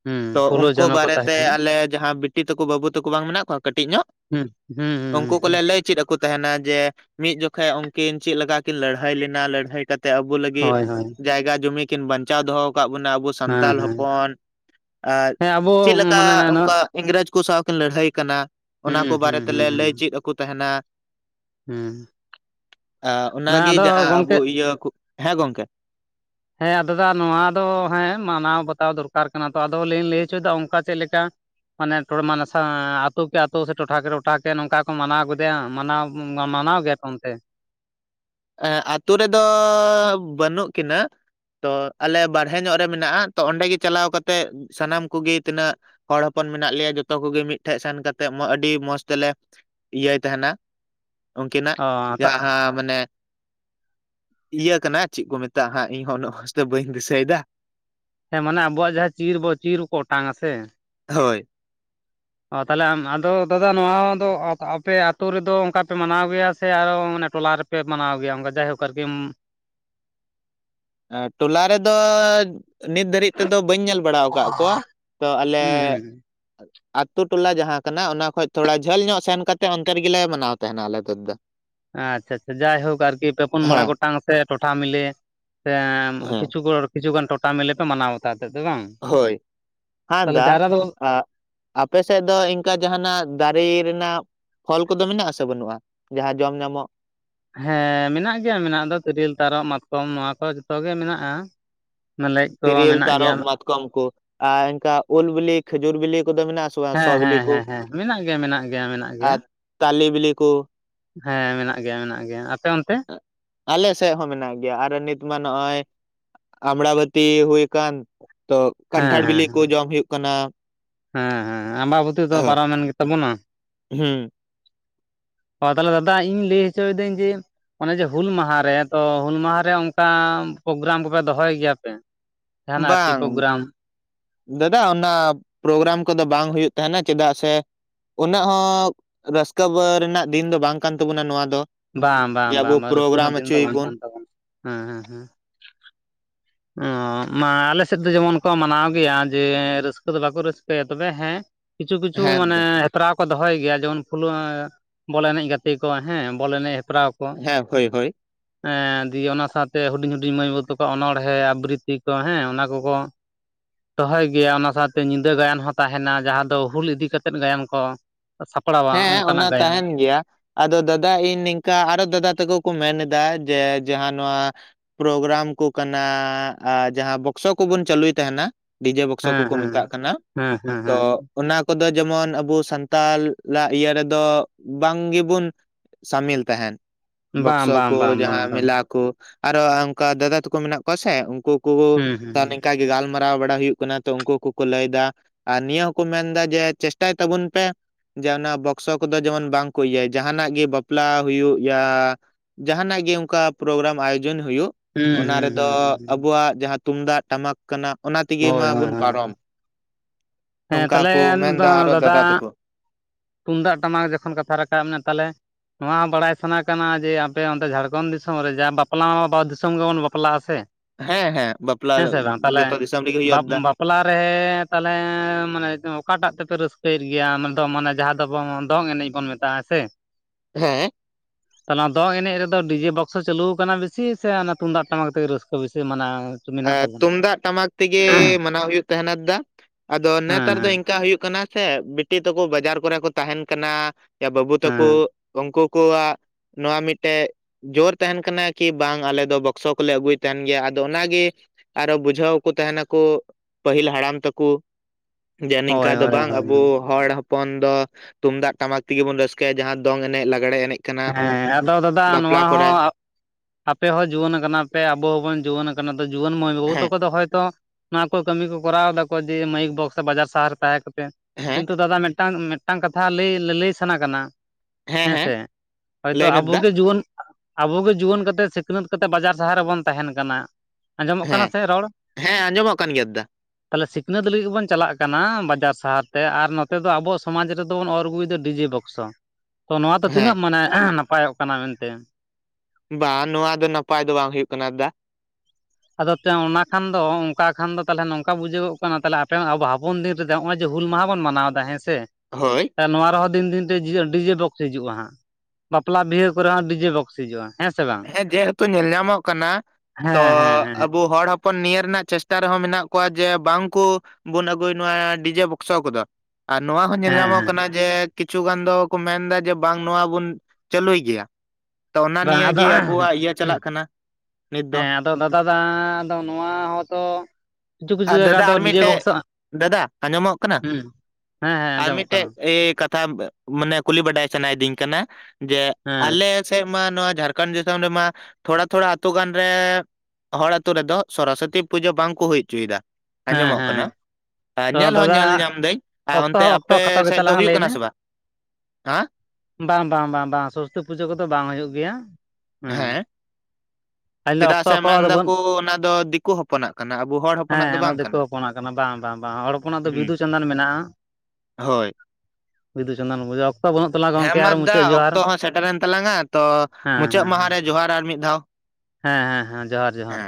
ᱦᱩᱸ ᱛᱚ ᱯᱷᱩᱞᱳ ᱩᱱᱠᱩ ᱡᱷᱟᱱᱚ ᱠᱚ ᱛᱟᱦᱮᱸ ᱵᱟᱨᱮᱛᱮ ᱠᱟᱱᱟ ᱟᱞᱮ ᱡᱟᱦᱟᱸ ᱵᱤᱴᱤ ᱛᱟᱠᱩ ᱵᱟᱹᱵᱩ ᱛᱟᱠᱚ ᱵᱟᱝ ᱢᱮᱱᱟᱜ ᱠᱚᱣᱟ ᱠᱟᱹᱴᱤᱡ ᱧᱚᱜ ᱦᱩᱸ ᱦᱩᱸ ᱩᱱᱠᱩ ᱦᱩᱸ ᱦᱩᱸ ᱠᱚᱞᱮ ᱞᱟᱹᱭ ᱪᱮᱫ ᱠᱚ ᱛᱟᱦᱮᱱᱟ ᱡᱮ ᱢᱤᱫ ᱡᱚᱠᱷᱮᱡ ᱩᱱᱠᱤᱱ ᱪᱮᱫ ᱞᱮᱠᱟ ᱠᱤᱱ ᱞᱟᱹᱲᱦᱟᱹᱭ ᱞᱮᱱᱟ ᱞᱟᱹᱲᱦᱟᱹᱭ ᱠᱟᱛᱮᱫ ᱛᱮ ᱟᱵᱚ ᱞᱟᱹᱜᱤᱫ ᱦᱳᱭ ᱦᱳᱭ ᱡᱟᱭᱜᱟ ᱡᱩᱢᱤ ᱠᱤᱱ ᱵᱟᱧᱪᱟᱣ ᱫᱚᱦᱚ ᱠᱟᱜ ᱵᱚᱱᱟ ᱟᱵᱚ ᱦᱮᱸ ᱥᱟᱱᱛᱟᱞ ᱦᱮᱸ ᱦᱚᱯᱚᱱ ᱟᱨ ᱦᱮᱸ ᱟᱵᱚ ᱪᱮᱫ ᱞᱮᱠᱟ ᱢᱟᱱᱮ ᱱᱩᱱᱟᱹᱜ ᱚᱱᱠᱟ ᱤᱝᱨᱮᱡᱽ ᱠᱚ ᱥᱟᱶ ᱠᱤᱱ ᱞᱟᱹᱲᱦᱟᱹᱭ ᱠᱟᱱᱟ ᱦᱩᱸ ᱚᱱᱟ ᱠᱚ ᱵᱟᱨᱮ ᱦᱩᱸ ᱦᱩᱸ ᱛᱮᱞᱮ ᱦᱩᱸ ᱞᱟᱹᱭ ᱪᱮᱫ ᱠᱚ ᱛᱟᱦᱮᱱᱟ ᱦᱩᱸ ᱵᱟᱝ ᱚᱱᱟᱜᱮ ᱟᱫᱚ ᱡᱟᱦᱟᱸ ᱜᱚᱢᱠᱮ ᱟᱵᱚ ᱤᱭᱟᱹ ᱦᱮᱸ ᱜᱚᱝᱠᱮ ᱦᱮᱸ ᱫᱟᱫᱟ ᱱᱚᱣᱟ ᱫᱚ ᱦᱮᱸ ᱢᱟᱱᱟᱣ ᱵᱟᱛᱟᱣ ᱫᱚᱨᱠᱟᱨ ᱠᱟᱱᱟ ᱛᱚ ᱟᱫᱚ ᱞᱤᱧ ᱞᱟᱹᱭ ᱦᱚᱪᱚᱭᱮᱫᱟ ᱚᱱᱠᱟ ᱪᱮᱫ ᱞᱮᱠᱟ ᱢᱟᱱᱮ ᱴᱚᱨᱢᱟ ᱱᱟᱥᱟ ᱟᱛᱳ ᱠᱤ ᱟᱛᱳ ᱥᱮ ᱴᱚᱴᱷᱟ ᱠᱮ ᱴᱚᱴᱷᱟ ᱠᱮ ᱱᱚᱝᱠᱟ ᱠᱚ ᱢᱟᱱᱟᱣ ᱠᱮᱫᱮᱭᱟ ᱢᱟᱱᱟᱣ ᱢᱟᱱᱟᱣ ᱜᱮ ᱚᱱᱛᱮ ᱦᱮᱸ ᱟᱹᱛᱩ ᱨᱮᱫᱚ ᱵᱟᱹᱱᱩᱜ ᱠᱤᱱᱟᱹ ᱛᱚ ᱟᱞᱮ ᱵᱟᱨᱦᱮ ᱧᱚᱜ ᱨᱮ ᱢᱮᱱᱟᱜᱼᱟ ᱛᱚ ᱚᱸᱰᱮ ᱜᱮ ᱪᱟᱞᱟᱣ ᱠᱟᱛᱮᱜ ᱥᱟᱱᱟᱢ ᱠᱩᱜᱤ ᱛᱤᱱᱟᱹᱜ ᱦᱚᱲ ᱦᱚᱯᱚᱱ ᱢᱮᱱᱟᱜ ᱞᱮᱭᱟ ᱡᱚᱛᱚ ᱠᱚᱜᱮ ᱢᱤᱫᱴᱷᱮᱱ ᱥᱮᱱ ᱠᱟᱛᱮᱫ ᱟᱹᱰᱤ ᱢᱚᱸᱡᱽ ᱛᱮᱞᱮ ᱤᱭᱟᱹᱭ ᱛᱟᱦᱮᱱᱟ ᱩᱱᱠᱤᱱᱟᱜ ᱚ ᱡᱟᱦᱟᱸ ᱢᱟᱱᱮ ᱤᱭᱟᱹ ᱠᱟᱱᱟ ᱪᱤ ᱠᱩ ᱢᱮᱛᱟᱜᱼᱟ ᱦᱟᱸᱜ ᱤᱧᱦᱚᱸ ᱩᱱᱟᱹᱜ ᱢᱚᱡᱽ ᱛᱮ ᱵᱟᱹᱧ ᱫᱤᱥᱟᱹᱭ ᱫᱟ᱾ ᱦᱮᱸ ᱢᱟᱱᱮ ᱟᱵᱚᱣᱟᱜ ᱡᱟᱦᱟᱸ ᱪᱤᱨ ᱵᱚ ᱪᱤᱨᱠᱚ ᱚᱴᱟᱝ ᱟᱜ ᱥᱮ ᱦᱳᱭ ᱛᱟᱦᱚᱞᱮ ᱟᱢ ᱟᱫᱚ ᱫᱟᱫᱟ ᱱᱚᱣᱟ ᱫᱚ ᱟᱯᱮ ᱟᱛᱳ ᱨᱮᱫᱚ ᱚᱱᱠᱟ ᱯᱮ ᱢᱟᱱᱟᱣ ᱜᱮᱭᱟ ᱥᱮ ᱟᱨᱚ ᱚᱱᱮ ᱴᱚᱞᱟ ᱨᱮᱯᱮ ᱯᱮ ᱢᱟᱱᱟᱣ ᱜᱮᱭᱟ ᱚᱱᱠᱟ ᱡᱟᱭᱦᱳᱠ ᱟᱨᱠᱤ ᱴᱚᱞᱟ ᱨᱮᱫᱚ ᱱᱤᱛ ᱫᱷᱟᱹᱨᱤᱡ ᱛᱮᱫᱚ ᱵᱟᱹᱧ ᱧᱮᱞ ᱵᱟᱲᱟ ᱠᱟᱜ ᱠᱚᱣᱟ᱾ ᱛᱚ ᱟᱞᱮ ᱦᱩᱸ ᱟᱛᱳ ᱴᱚᱞᱟ ᱡᱟᱦᱟᱸ ᱠᱟᱱᱟ ᱚᱱᱟ ᱠᱷᱚᱡ ᱛᱷᱚᱲᱟ ᱡᱷᱟᱹᱞ ᱧᱚᱜ ᱥᱮᱱ ᱠᱟᱛᱮ ᱚᱱᱛᱮ ᱨᱮᱜᱮᱞᱮ ᱢᱟᱱᱟᱣ ᱛᱟᱦᱮᱱᱟ ᱟᱞᱮ ᱛᱮ ᱫᱚ ᱟᱪᱪᱷᱟ ᱟᱪᱪᱷᱟ ᱡᱟᱭᱦᱳᱠ ᱟᱨᱠᱤ ᱯᱮ ᱯᱩᱱ ᱢᱚᱬᱮ ᱦᱮᱸ ᱜᱚᱴᱟᱝ ᱟᱛᱮ ᱴᱚᱴᱷᱟ ᱢᱤᱞᱮ ᱥᱮᱢ ᱦᱮᱸ ᱠᱤᱪᱷᱩ ᱠᱤᱪᱷᱩ ᱜᱟᱱ ᱴᱚᱴᱟ ᱢᱤᱞᱮ ᱯᱮ ᱢᱟᱱᱟᱣᱟ ᱛᱮᱫ ᱫᱚ ᱵᱟᱝ ᱦᱳᱭ ᱦᱮᱸ ᱛᱟᱦᱚᱞᱮ ᱫᱟ ᱡᱟᱣᱨᱟ ᱫᱚ ᱟᱯᱮ ᱥᱮᱫ ᱫᱚ ᱤᱱᱠᱟ ᱡᱟᱦᱟᱱᱟᱜ ᱫᱟᱨᱮ ᱨᱮᱱᱟᱜ ᱯᱷᱚᱞ ᱠᱚᱫᱚ ᱢᱮᱱᱟᱜ ᱟᱥ ᱵᱟᱹᱱᱩᱜᱼᱟ ᱡᱟᱦᱟᱸ ᱡᱚᱢ ᱧᱟᱢᱚᱜ? ᱦᱮᱸ ᱢᱮᱱᱟᱜ ᱜᱮᱭᱟ ᱢᱮᱱᱟᱜ ᱫᱚ ᱛᱤᱨᱤᱞ, ᱛᱟᱨᱚᱵ, ᱢᱟᱛᱠᱚᱢ, ᱱᱚᱣᱟ ᱠᱚ ᱡᱚᱛᱚ ᱜᱮ ᱢᱮᱱᱟᱜᱼᱟ ᱾ ᱮᱱᱮᱡ ᱠᱚ ᱢᱮᱱᱟᱜ ᱜᱮᱭᱟ ᱠᱚᱢ ᱠᱚ ᱟᱨ ᱤᱱᱠᱟ ᱩᱞ ᱵᱤᱞᱤ, ᱠᱷᱮᱡᱩᱨ ᱵᱤᱞᱤ ᱠᱚᱫᱚ ᱢᱮᱱᱟᱜ? ᱟᱥᱮ ᱵᱟᱝ ᱥᱚ ᱦᱮᱸ ᱵᱤᱞᱤ ᱦᱮᱸ ᱦᱮᱸ ᱠᱚ? ᱦᱮᱸ ᱢᱮᱱᱟᱜ ᱜᱮᱭᱟ ᱢᱮᱱᱟᱜ ᱜᱮᱭᱟ ᱢᱮᱱᱟᱜ ᱜᱮᱭᱟ ᱾ ᱛᱟᱞᱤ ᱵᱤᱞᱤ ᱠᱚ ᱦᱮᱸ ᱢᱮᱱᱟᱜ ᱜᱮᱭᱟ ᱢᱮᱱᱟᱜ ᱜᱮᱭᱟ ᱟᱯᱮ ᱚᱱᱛᱮ? ᱟᱞᱮ ᱥᱮᱜ ᱦᱚᱸ ᱢᱮᱱᱟᱜ ᱜᱮᱭᱟ ᱟᱨ ᱱᱤᱛ ᱢᱟ ᱱᱚᱜᱼᱚᱭ ᱟᱢᱲᱟᱵᱟᱹᱛᱤ ᱦᱩᱭ ᱠᱟᱱ᱾ ᱛᱚ ᱦᱮᱸ ᱠᱟᱱᱴᱷᱟᱲ ᱦᱮᱸ ᱵᱤᱞᱤ ᱠᱚ ᱡᱚᱢ ᱦᱩᱭᱩᱜ ᱠᱟᱱᱟ᱾ ᱦᱮᱸ ᱦᱮᱸ ᱟᱢᱵᱟᱵᱚᱛᱤ ᱫᱚ ᱯᱟᱨᱚᱢᱮᱱ ᱜᱮ ᱛᱟᱵᱚᱱᱟ᱾ ᱦᱩᱸ ᱳ ᱛᱟᱦᱞᱮ ᱫᱟᱫᱟ ᱤᱧ ᱞᱟᱹᱭ ᱦᱚᱪᱚᱤᱫᱟᱹᱧ ᱡᱮ ᱚᱱᱮ ᱡᱮ ᱦᱩᱞ ᱢᱟᱦᱟ. ᱨᱮ ᱛᱚ ᱦᱩᱞ ᱢᱟᱦᱟ ᱨᱮ ᱚᱝᱠᱟ ᱯᱨᱳᱜᱨᱟᱢ ᱠᱚᱯᱮ ᱫᱚᱦᱚᱭ ᱜᱮᱭᱟ ᱯᱮ? [inaudible] ᱵᱟᱝ ᱯᱨᱳᱜᱨᱟᱢ ᱫᱟᱫᱟ ᱚᱱᱟ ᱯᱨᱳᱜᱨᱟᱢ ᱠᱚᱫᱚ ᱵᱟᱝ ᱦᱩᱭᱩᱜ ᱛᱟᱦᱮᱱᱟ ᱪᱮᱫᱟᱜ ᱥᱮ ᱩᱱᱟᱹᱜ ᱦᱚᱸ ᱨᱟᱹᱥᱠᱟᱹ ᱵᱟᱹ ᱨᱮᱱᱟᱜ ᱫᱤᱱ ᱫᱚ ᱵᱟᱝ ᱠᱟᱱ ᱛᱟᱵᱚᱱᱟ ᱱᱚᱣᱟ ᱫᱚ᱾ ᱵᱟᱝ ᱵᱟᱝ ᱡᱮ ᱟᱵᱚ ᱵᱟᱝ ᱨᱟᱹᱥᱠᱟᱹ ᱯᱨᱳᱜᱨᱟᱢ ᱨᱮᱱᱟᱜ ᱫᱤᱱ ᱫᱚ ᱦᱚᱪᱚᱭ ᱵᱟᱝ ᱵᱚᱱ ᱠᱟᱱ ᱛᱟᱵᱚᱱᱟ᱾ ᱦᱮᱸ ᱦᱮᱸ ᱦᱮᱸ ᱚ ᱢᱟ ᱟᱞᱮ ᱥᱮᱫ ᱫᱚ ᱡᱮᱢᱚᱱ ᱠᱚ ᱢᱟᱱᱟᱣ ᱜᱮᱭᱟ ᱡᱮ ᱨᱟᱹᱥᱠᱟᱹ ᱫᱚ ᱵᱟᱠᱚ ᱨᱟᱹᱥᱠᱟᱹᱭᱟ᱾ ᱛᱚᱵᱮ ᱦᱮᱸ ᱠᱤᱪᱷᱩ ᱠᱤᱪᱷᱩ ᱦᱮᱸ ᱢᱟᱱᱮ ᱫᱟ ᱯᱨᱟᱣ ᱠᱚ ᱫᱚᱦᱚᱭ ᱜᱮᱭᱟ ᱡᱮᱢᱚᱱ ᱯᱷᱩᱞᱟᱹ ᱵᱚᱞ ᱮᱱᱮᱡ ᱜᱟᱛᱮ ᱠᱚ ᱦᱮᱸ ᱵᱚᱞ ᱮᱱᱮᱡ ᱦᱮᱯᱨᱟᱣ ᱦᱮᱸ ᱦᱳᱭ ᱦᱳᱭ ᱮᱸ ᱫᱤᱭᱮ ᱚᱱᱟ ᱥᱟᱶᱛᱮ ᱦᱩᱰᱤᱧ ᱦᱩᱰᱤᱧ ᱢᱟᱹᱭ ᱵᱟᱹ ᱛᱟᱠᱣᱟ ᱚᱱᱚᱬᱦᱮᱸ ᱦᱮᱸ ᱟᱵᱨᱤᱛᱤ ᱠᱚ ᱦᱮᱸ ᱚᱱᱟ ᱠᱚᱠᱚ ᱫᱚᱦᱚᱭ ᱜᱮᱭᱟ ᱚᱱᱟ ᱥᱟᱶᱛᱮ ᱧᱤᱫᱟᱹ ᱜᱟᱭᱟᱱ ᱦᱚᱸ ᱛᱟᱦᱮᱱᱟ ᱡᱟᱦᱟᱸ ᱫᱚ ᱦᱩᱞ ᱤᱫᱤ ᱠᱟᱛᱮᱫ ᱜᱟᱭᱟᱱ ᱠᱚ᱾ ᱥᱟᱯᱲᱟᱣ ᱦᱮᱸ ᱚᱱᱟ ᱛᱟᱦᱮᱱ ᱜᱮᱭᱟ᱾ ᱟᱫᱚ ᱫᱟᱫᱟ ᱤᱧ ᱱᱤᱝᱠᱟ ᱟᱨᱚ ᱫᱟᱫᱟ ᱛᱟᱠᱚ ᱠᱚ ᱢᱮᱱ ᱮᱫᱟ ᱡᱮ ᱡᱟᱦᱟᱸ ᱱᱚᱣᱟ ᱯᱨᱳᱜᱨᱟᱢ ᱠᱚ ᱠᱟᱱᱟ ᱟ ᱡᱟᱦᱟᱸ ᱵᱚᱠᱥᱚ ᱠᱚᱵᱚᱱ ᱪᱟᱹᱞᱩᱭ ᱛᱟᱦᱮᱱᱟ᱾ ᱰᱤᱡᱮ ᱵᱚᱠᱥᱚ ᱦᱮᱸ ᱠᱚᱠᱚ ᱦᱮᱸ ᱢᱮᱛᱟᱜ ᱠᱟᱱᱟ ᱦᱮᱸ ᱦᱮᱸ ᱦᱮᱸ ᱛᱚ ᱚᱱᱟ ᱠᱚᱫᱚ ᱡᱮᱢᱚᱱ ᱟᱵᱚ ᱥᱟᱱᱛᱟᱞ ᱞᱟ ᱤᱭᱟᱹ ᱨᱮᱫᱚ ᱵᱟᱝ ᱜᱮᱵᱚᱱ ᱥᱟᱢᱤᱞ ᱛᱟᱦᱮᱱ᱾ ᱵᱟᱝ ᱵᱚᱠᱥᱚ ᱵᱟᱝ ᱠᱚ ᱵᱟᱝ ᱵᱟᱝ ᱡᱟᱦᱟᱸ ᱵᱟᱝ ᱢᱮᱞᱟ ᱠᱚ᱾ ᱟᱨᱚ ᱚᱝᱠᱟ ᱫᱟᱫᱟ ᱛᱟᱠᱚ ᱢᱮᱱᱟᱜ ᱠᱚᱣᱟ ᱥᱮ ᱩᱝᱠᱩ ᱠᱚ ᱦᱩᱸ ᱦᱩᱸ ᱱᱤᱝᱠᱟ ᱜᱟᱞᱢᱟᱨᱟᱣ ᱵᱟᱲᱟ ᱦᱩᱭᱩᱜ ᱠᱟᱱᱟ ᱛᱚ ᱩᱝᱠᱩ ᱠᱚᱠᱚ ᱞᱟᱹᱭᱮᱫᱟ᱾ ᱟᱨ ᱱᱤᱭᱟᱹ ᱦᱚᱸᱠᱚ ᱢᱮᱱᱫᱟ ᱡᱮ ᱪᱮᱥᱴᱟᱭ ᱛᱟᱵᱚᱱ ᱯᱮ ᱡᱟ ᱚᱱᱟ ᱵᱚᱠᱥᱚ ᱠᱚᱫᱚ ᱡᱮᱢᱚᱱ ᱵᱟᱝ ᱠᱚ ᱤᱭᱟᱹᱭᱟ ᱡᱟᱦᱟᱱᱟᱜ ᱜᱮ ᱵᱟᱯᱞᱟ ᱦᱩᱭᱩᱜ ᱭᱟ ᱡᱟᱦᱱᱟᱜ ᱜᱮ ᱚᱱᱠᱟ ᱯᱨᱳᱜᱨᱟᱢ ᱟᱭᱳᱡᱚᱱ ᱦᱩᱭᱩᱜ ᱦᱩᱸ ᱚᱱᱟ ᱦᱩᱸ ᱨᱮᱫᱚ ᱦᱩᱸ ᱦᱩᱸ ᱟᱵᱚᱣᱟᱜ ᱡᱟᱦᱟᱸ ᱛᱩᱢᱫᱟᱜ ᱴᱟᱢᱟᱠ ᱠᱟᱱᱟ ᱚᱱᱟ ᱛᱮᱜᱮ ᱦᱳᱭ ᱦᱳᱭ ᱢᱟᱵᱚᱱ ᱦᱳᱭ ᱯᱟᱲᱚᱱ᱾ ᱦᱮᱸ ᱛᱟᱦᱞᱮ ᱢᱮᱱᱫᱟ ᱫᱚᱸ ᱟᱨᱚ ᱫᱟᱫᱟ ᱛᱟᱠᱚ ᱛᱩᱢᱫᱟᱜ ᱴᱟᱢᱟᱠ ᱡᱚᱠᱷᱚᱱ ᱠᱟᱛᱷᱟ ᱨᱟᱠᱟᱵ ᱱᱟ ᱛᱟᱦᱞᱮ ᱱᱚᱣᱟ ᱦᱚᱸ ᱵᱟᱲᱟᱭ ᱥᱟᱱᱟ ᱠᱟᱱᱟ ᱡᱮ ᱟᱯᱮ ᱚᱱᱛᱮ ᱡᱷᱟᱲᱠᱷᱚᱸᱰ ᱫᱤᱥᱚᱢ ᱨᱮ ᱡᱟ ᱵᱟᱯᱞᱟ ᱢᱟ ᱵᱟ ᱫᱤᱥᱚᱢ ᱜᱮᱵᱚᱱ ᱵᱟᱯᱞᱟᱜᱼᱟ ᱥᱮ? ᱦᱮᱸ ᱦᱮᱸ ᱵᱟᱯᱞᱟ ᱡᱚᱛᱚ ᱫᱤᱥᱚᱢ ᱨᱮᱜᱮ ᱵᱟ ᱦᱩᱭᱩᱜᱼᱟ ᱫᱟᱫᱟ ᱵᱟ ᱯᱞᱟ ᱨᱮ ᱛᱟᱦᱞᱮ ᱢᱟᱱᱮ ᱚᱠᱟᱴᱟᱜ ᱛᱮᱯᱮ ᱨᱟᱹᱥᱠᱟᱹᱭᱮᱫ ᱜᱮᱭᱟ ᱫᱚ ᱢᱟᱱᱮ ᱡᱟᱦᱟᱸ ᱫᱚᱵᱚᱱ ᱫᱚᱝ ᱮᱱᱮᱡ? ᱚᱱ ᱢᱮᱛᱟᱜᱼᱟ ᱥᱮ᱾ ᱦᱮᱸ [inaudible] ᱛᱟᱦᱞᱮ ᱫᱚᱝ ᱮᱱᱮᱡ ᱨᱮᱫᱚ ᱰᱤᱡᱮ ᱵᱚᱠᱥᱚ ᱪᱟᱹᱞᱩ ᱟᱠᱟᱱᱟ ᱵᱮᱥᱤ ᱥᱮ ᱚᱱᱟ ᱛᱩᱢᱫᱟᱜ ᱴᱟᱢᱟᱠ ᱛᱮᱜᱮ ᱨᱟᱹᱥᱠᱟᱹ ᱵᱮᱥᱤ ᱢᱟᱱᱮ ᱢᱮᱱᱟᱜ ᱛᱟᱵᱚᱱᱟ ᱛᱩᱢᱫᱟᱜ ᱴᱟᱢᱟᱠ ᱛᱮᱜᱮ ᱦᱮᱸ ᱢᱟᱱᱟᱣ ᱦᱩᱭᱩᱜ ᱛᱟᱦᱮᱱᱟ ᱫᱟ ᱟᱫᱚ ᱱᱮᱛᱟᱨ ᱫᱚ ᱦᱮᱸ ᱤᱝ ᱠᱟ ᱦᱩᱭᱩᱜ ᱠᱟᱱᱟ ᱥᱮ ᱵᱤᱴᱤ ᱛᱟᱠᱚ ᱵᱟᱡᱟᱨ ᱠᱚᱨᱮ ᱠᱚ ᱛᱟᱦᱮᱱ ᱠᱟᱱᱟ ᱭᱟ ᱵᱟᱹᱵᱩ ᱛᱟᱠᱚ ᱦᱮᱸ ᱩᱝᱠᱩ ᱠᱚᱣᱟᱜ ᱱᱚᱣᱟ ᱢᱤᱫᱴᱮᱜ ᱡᱳᱨ ᱛᱟᱦᱮᱱ ᱠᱟᱱᱟ ᱠᱤ ᱵᱟᱝ ᱟᱞᱮ ᱫᱚ ᱵᱚᱠᱥᱚ ᱠᱚᱞᱮ ᱟᱹᱜᱩᱭᱮ ᱛᱟᱦᱮᱱ ᱜᱮᱭᱟ ᱟᱫᱚ ᱚᱱᱟᱜᱮ ᱟᱨᱚ ᱵᱩᱡᱷᱟᱹᱣ ᱟᱠᱚ ᱛᱟᱦᱮᱱᱟᱠᱚ ᱯᱟᱹᱦᱤᱞ ᱦᱟᱲᱟᱢ ᱛᱟᱠᱚ᱾ ᱡᱮ ᱱᱤᱝᱠᱟ ᱦᱳᱭ ᱫᱚ ᱦᱳᱭ ᱵᱟᱝ ᱦᱳᱭ ᱟᱵᱚ ᱦᱚᱲ ᱯᱚᱱ ᱫᱚ ᱛᱩᱢᱫᱟᱜ ᱴᱟᱢᱟᱠ ᱛᱮᱜᱮ ᱵᱚᱱ ᱨᱟᱹᱥᱠᱟᱹᱭᱟ ᱡᱟᱦᱟᱸ ᱫᱚᱝ ᱮᱱᱮᱡ ᱞᱟᱜᱽᱲᱮ ᱮᱱᱮᱡ ᱠᱟᱱᱟ ᱦᱮᱸ ᱟᱫᱚ ᱫᱟᱫᱟ ᱵᱟᱯᱞᱟ ᱱᱚᱣᱟ ᱠᱚᱨᱮ ᱦᱚᱸ ᱟᱯᱮ ᱦᱚᱸ ᱡᱩᱣᱟᱹᱱ ᱠᱟᱱᱟ ᱯᱮ ᱟᱵᱚ ᱦᱚᱵᱚᱱ ᱡᱩᱣᱟᱹᱱ ᱠᱟᱱᱟ ᱡᱩᱣᱟᱹᱱ ᱢᱟᱹᱭ ᱵᱟᱹᱵᱩ ᱦᱮᱸ ᱛᱟᱠᱚ ᱫᱚ ᱦᱚᱭᱛᱚ ᱱᱚᱣᱟ ᱠᱚ ᱠᱟᱹᱢᱤ ᱠᱚ ᱠᱚᱨᱟᱣ ᱫᱟᱠᱚ ᱡᱮ ᱢᱟᱹᱭᱤᱠ ᱵᱚᱠᱥ ᱥᱮ ᱵᱟᱡᱟᱨ ᱥᱟᱦᱟᱨ ᱨᱮ ᱛᱟᱦᱮ ᱠᱟᱛᱮᱫ ᱦᱮᱸ ᱠᱤᱱᱛᱩ ᱫᱟᱫᱟ ᱢᱮ ᱢᱤᱫᱴᱟᱝ ᱢᱤᱫᱴᱟᱝ ᱠᱟᱛᱷᱟ ᱞᱟᱹᱭ ᱞᱟᱹᱞᱟᱹᱭ ᱥᱟᱱᱟ ᱠᱟᱱᱟ ᱦᱮᱸ ᱥᱮ ᱾ ᱦᱳᱭᱛᱳ ᱞᱟᱹᱭ ᱢᱮ ᱫᱟ ᱟᱵᱚᱜᱮ ᱡᱩᱣᱟᱹᱱ ᱟᱵᱚᱜᱮ ᱡᱩᱣᱟᱹᱱ ᱠᱟᱛᱮᱜ ᱥᱤᱠᱷᱱᱟᱹᱛ ᱠᱟᱛᱮᱫ ᱵᱟᱡᱟᱨ ᱥᱟᱦᱟᱨ ᱨᱮᱵᱚᱱ ᱛᱟᱦᱮᱱ ᱠᱟᱱᱟ ᱾ ᱟᱡᱚᱢᱚᱜ ᱠᱟᱱᱟ ᱦᱮᱸ ᱥᱮ ᱨᱚᱲ? ᱦᱮᱸ ᱟᱸᱡᱚᱢᱚᱜ ᱠᱟᱱ ᱜᱮᱭᱟ ᱫᱟ ᱛᱟᱦᱚᱞᱮ ᱥᱤᱠᱷᱱᱟᱹᱛ ᱞᱟᱹᱜᱤᱫ ᱵᱚᱱ ᱪᱟᱞᱟᱜ ᱠᱟᱱᱟ ᱵᱟᱡᱟᱨ ᱥᱟᱦᱟᱨ ᱛᱮ ᱟᱨ ᱱᱚᱛᱮ ᱫᱚ ᱟᱵᱚᱣᱟᱜ ᱥᱚᱢᱟᱡᱽ ᱨᱮ ᱨᱮᱫ ᱵᱚᱱ ᱚᱨ ᱟᱹᱜᱩᱭᱮᱫᱟ ᱰᱤᱡᱮ ᱵᱚᱠᱥᱚ ᱛᱚ ᱱᱚᱣᱟ ᱫᱚ ᱦᱮᱸ ᱛᱤᱱᱟᱹᱜ ᱢᱟᱱᱮ ᱱᱟᱯᱟᱭᱚᱜ ᱠᱟᱱᱟ ᱢᱮᱱᱛᱮ? ᱵᱟᱝ ᱱᱚᱣᱟ ᱫᱚ ᱱᱟᱯᱟᱭ ᱫᱚ ᱵᱟᱝ ᱦᱩᱭᱩᱜ ᱠᱟᱱᱟ ᱫᱟ ᱾ ᱟᱫᱚ ᱚᱱᱟ ᱠᱷᱟᱱ ᱫᱚ ᱚᱱᱠᱟ ᱠᱷᱟᱱ ᱫᱚ ᱛᱟᱦᱚᱞᱮ ᱱᱚᱝᱠᱟ ᱵᱩᱡᱷᱟᱹᱜᱚᱜ ᱠᱟᱱᱟ ᱛᱟᱦᱚᱞᱮ ᱟᱯᱮ ᱟᱵᱚ ᱦᱟᱯᱚᱱ ᱫᱤᱱ ᱨᱮ ᱱᱚᱜ-ᱚᱭ ᱡᱮ ᱦᱩᱞ ᱢᱟᱦᱟ ᱵᱚᱱ ᱢᱟᱱᱟᱣ ᱮᱫᱟ ᱦᱮ ᱥᱮ ᱾ ᱦᱳᱭ ᱱᱚᱣᱟ ᱨᱮᱦᱚ ᱫᱤᱱ ᱫᱤᱱ ᱛᱮ ᱰᱤᱡᱮ ᱵᱚᱠᱥ ᱦᱤᱡᱩᱜ-ᱟ ᱦᱟᱜ ᱵᱟᱯᱞᱟ ᱵᱤᱦᱟᱹ ᱠᱚᱨᱮ ᱦᱚ ᱰᱤᱡᱮ ᱵᱚᱠᱥ ᱦᱤᱡᱩᱜ-ᱟ ᱾ ᱦᱮ ᱡᱮᱦᱮᱛᱩ ᱧᱮᱞ ᱧᱟᱢᱚᱜ ᱠᱟᱱᱟ ᱛᱚ ᱦᱮᱸ ᱦᱮᱸ ᱦᱮᱸ ᱟᱵᱚ ᱦᱚᱲ ᱦᱚᱯᱚᱱ ᱱᱤᱭᱟᱹ ᱨᱮᱱᱟᱜ ᱪᱮᱥᱴᱟ ᱨᱮᱦᱚ ᱢᱮᱱᱟᱜ ᱠᱚᱣᱟ ᱡᱮ ᱵᱟᱝᱠᱩ ᱵᱚᱱ ᱟᱹᱜᱩᱭ ᱱᱚᱣᱟ ᱰᱤᱡᱮ ᱵᱚᱠᱥᱚ ᱠᱚᱫᱚ ᱟᱨ ᱱᱚᱣᱟ ᱦᱚ ᱧᱮᱞ ᱦᱮᱸ ᱧᱟᱢᱚᱜ ᱦᱮᱸ ᱠᱟᱱᱟ ᱡᱮ ᱠᱤᱪᱷᱩ ᱜᱟᱱ ᱫᱚᱠᱚ ᱢᱮᱱᱫᱟ ᱡᱮ ᱵᱟᱝ ᱱᱚᱣᱟ ᱵᱚᱱ ᱪᱟᱹᱞᱩᱭ ᱜᱮᱭᱟ ᱛᱚ ᱚᱱᱟ ᱵᱟᱝ ᱟᱫᱚ ᱱᱤᱭᱟᱹᱜᱮ ᱾ ᱟᱵᱚᱣᱟᱜ ᱤᱭᱟᱹ ᱪᱟᱞᱟᱜ ᱠᱟᱱᱟ ᱾ ᱦᱮ ᱟᱫᱚ ᱫᱟᱫᱟ ᱫᱟᱻ ᱟᱫᱚ ᱱᱚᱣᱟ ᱦᱚᱛᱚ ᱟᱨ ᱫᱟᱫᱟ ᱟᱨ ᱢᱤᱫᱴᱮᱡ ᱫᱟᱫᱟ ᱟᱡᱚᱢᱚᱜ ᱠᱟᱱᱟ? ᱦᱮᱸ ᱦᱮᱸ ᱦᱮᱸ ᱟᱨ ᱟᱸᱡᱚᱢᱚᱜ ᱢᱤᱫᱴᱮᱡ ᱠᱟᱱᱟ ᱠᱟᱛ ᱛᱷᱟ ᱢᱟᱱᱮ ᱠᱩᱞᱤ ᱵᱟᱰᱟᱭ ᱥᱟᱱᱟᱭᱤᱫᱤᱧ ᱠᱟᱱᱟ ᱡᱮ ᱦᱮᱸ ᱟᱞᱮ ᱥᱮᱫ ᱢᱟ ᱱᱚᱣᱟ ᱡᱷᱟᱲᱠᱷᱚᱱᱰ ᱨᱮ ᱢᱟ ᱛᱷᱚᱲᱟ ᱛᱷᱚᱲᱟ ᱟᱛᱳ ᱜᱟᱱᱨᱮ ᱦᱚᱲ ᱟᱛᱳ ᱨᱮᱫᱚ ᱥᱚᱨᱚᱥᱚᱛᱤ ᱯᱩᱡᱟᱹ ᱵᱟᱝᱠᱚ ᱦᱩᱭ ᱚᱪᱚᱭᱮᱫᱟ ᱦᱮᱸ ᱟᱡᱚᱢᱚᱜ ᱦᱮᱸ ᱠᱟᱱᱟ ᱾ ᱟᱨ ᱛᱚ ᱧᱮᱞ ᱦᱚ ᱫᱟᱫᱟ ᱧᱮᱞ ᱧᱟᱢ ᱫᱟᱹᱧ ᱟᱨ ᱚᱠᱛᱚ ᱚᱱᱛᱮ ᱦᱚᱸ ᱚᱠᱛᱚ ᱟᱯᱮ ᱠᱷᱟᱴᱚ ᱥᱮᱫ ᱫᱚ ᱜᱮᱛᱟᱞᱟᱝᱟ ᱦᱩᱭᱩᱜ ᱞᱟᱹᱭ ᱠᱟᱱᱟ ᱢᱮ ᱥᱮ ᱵᱟᱝ? ᱦᱟ ᱵᱟᱝ ᱵᱟᱝ ᱵᱟᱝ ᱥᱚᱨᱚᱥᱚᱛᱤ ᱯᱩᱡᱟᱹ ᱠᱚᱫᱚ ᱵᱟᱝ ᱦᱩᱭᱩᱜ ᱜᱮᱭᱟ ᱦᱩ ᱦᱮᱸ ᱾ ᱛᱟᱦᱞᱮ ᱪᱮᱫᱟᱜ ᱚᱠᱛᱚ ᱥᱮ ᱠᱚ ᱟᱫᱚ ᱵᱟᱹᱱ ᱢᱮᱱᱫᱟᱠᱚ ᱚᱱᱟ ᱫᱚ ᱫᱤᱠᱩ ᱦᱚᱯᱚᱱᱟᱜ ᱠᱟᱱᱟ ᱟᱵᱚ ᱦᱚᱲ ᱦᱮ ᱦᱚᱯᱚᱱᱟᱜ ᱫᱚ ᱚᱱᱟ ᱵᱟᱝ ᱫᱤᱠᱩ ᱠᱟᱱᱟ ᱦᱚᱯᱚᱱᱟᱜ ᱠᱟᱱᱟ ᱵᱟᱝ ᱾ ᱵᱟᱝ ᱦᱚᱲ ᱦᱚᱯᱚᱱᱟᱜ ᱫᱚ ᱦᱩᱸ ᱵᱤᱫᱩ ᱪᱟᱸᱫᱟᱱ ᱢᱮᱱᱟᱜᱟ ᱦᱳᱭ ᱵᱤᱫᱩ ᱪᱟᱸᱫᱟᱱ ᱵᱩᱡᱟᱹ ᱚᱠᱛᱚ ᱵᱟᱹᱱᱩᱜ ᱛᱟᱞᱟᱝ ᱦᱮ ᱜᱚᱢᱠᱮ ᱢᱟ ᱟᱨᱚ ᱫᱟ ᱢᱩᱪᱟᱹᱫ ᱡᱚᱦᱟᱨ ᱚᱠᱛᱚ ᱦᱚ ᱥᱮᱴᱮᱨᱮᱱ ᱛᱟᱞᱟᱝᱟ ᱛᱚ ᱦᱮᱸ ᱢᱩᱪᱟᱹᱫ ᱢᱟᱦᱟ ᱨᱮ ᱡᱚᱦᱟᱨ ᱟᱨ ᱢᱤᱫ ᱫᱷᱟᱣ ᱾ ᱦᱮ ᱦᱮ ᱦᱮ ᱡᱚᱦᱟᱨ ᱡᱚᱦᱟᱨ ᱾